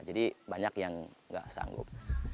jadi banyak yang nggak sanggup